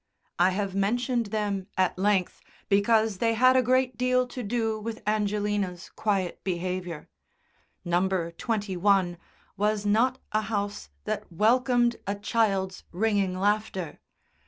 I have mentioned them at length, because they had a great deal to do with Angelina's quiet behaviour. No. 21 was not a house that welcomed a child's ringing laughter.